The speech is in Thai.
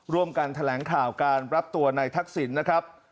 ร่วมกันแถลงข่าวการรับตัวในทักษิณนะครับ